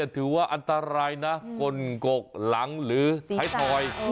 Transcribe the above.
ถือว่าอันตรายนะกลกกหลังหรือท้ายถอย